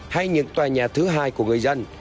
hay những tòa nhà thứ hai của người dân